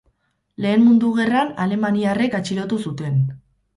Lehen Mundu Gerran alemaniarrek atxilotu zuten.